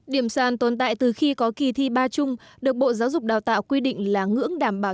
điểm sàn tồn tại từ khi có kỳ thi ba chung được bộ giáo dục đào tạo quy định là ngưỡng đảm bảo